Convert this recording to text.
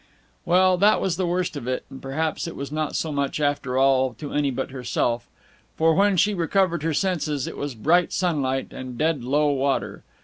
Well, that was the worst of it, and perhaps it was not so much, after all, to any but herself. For when she recovered her senses it was bright sunlight, and dead low water.